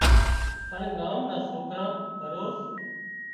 پڻ ڳام نان سوڪران هروز